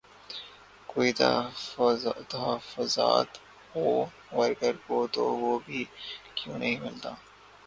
کوئی تحفظات ہوں ورکر کو تو وہ بھی کوئی نہیں ملتا